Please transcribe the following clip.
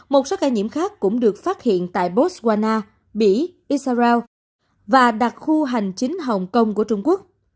một số ca nhiễm khác cũng được phát hiện tại botswana mỹ isarao và đặc khu hành chính hồng kông của trung quốc